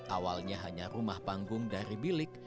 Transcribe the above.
awalnya hanya rumah panggung dari bilik